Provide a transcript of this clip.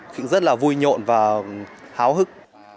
cũng rất là vui nhộn và háo hức